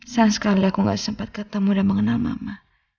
sayang sekali aku gak sempat ketemu dan mengenal mama